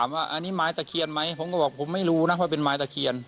ไม้ตะเคียนไหมผมก็บอกว่าผมไม่รู้นะว่าเป็นไม้ตะเคียน